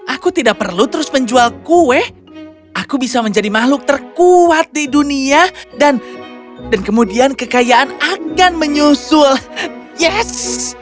aku tidak perlu terus menjual kue aku bisa menjadi makhluk terkuat di dunia dan kemudian kekayaan akan menyusul yes